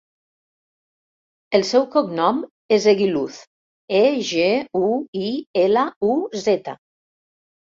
El seu cognom és Eguiluz: e, ge, u, i, ela, u, zeta.